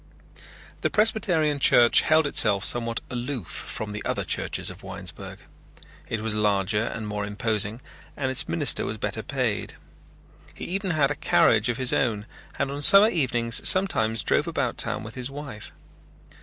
The Presbyterian Church held itself somewhat aloof from the other churches of Winesburg. It was larger and more imposing and its minister was better paid. He even had a carriage of his own and on summer evenings sometimes drove about town with his wife.